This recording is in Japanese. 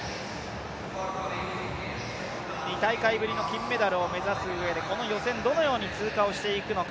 ２大会ぶりの金メダルを目指すうえでこの予選どのように通過していくのか。